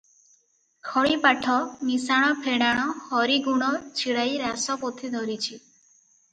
ଖଡ଼ିପାଠ ମିଶାଣ ଫେଡାଣ ହରିଗୁଣ ଛିଡାଇ ରାସ ପୋଥି ଧରିଛି ।